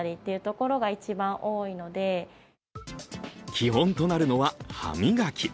基本となるのは歯磨き。